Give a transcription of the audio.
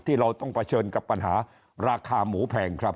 เราต้องเผชิญกับปัญหาราคาหมูแพงครับ